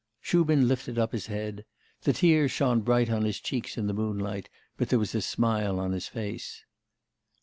Shubin lifted up his head. The tears shone bright on his cheeks in the moonlight, but there was a smile on his face.